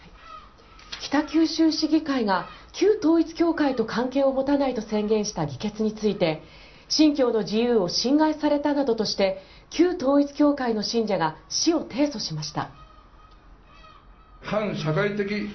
北九州市議会が旧統一教会と関係を持たないと宣言した議決について、信教の自由を侵害されたなどとして旧統一教会の信者が市を提訴しました。